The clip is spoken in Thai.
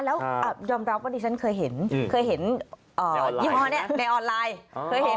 แล้วยอมรับว่าดิฉันเคยเห็นเคยเห็นยี่ห้อนี้ในออนไลน์เคยเห็น